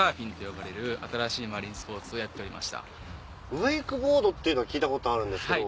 ウェイクボードっていうのは聞いたことあるんですけど。